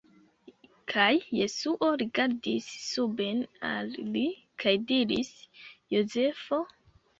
Kaj Jesuo rigardis suben al li, kaj diris: "Jozefo...